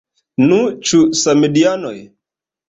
Nu, ĉu samideanoj?